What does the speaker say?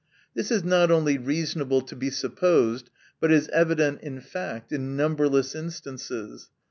This is not only reasonable to be supposed, but it is evident in fact, in num berless instances.